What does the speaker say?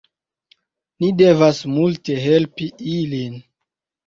Ni devas multe helpi ilin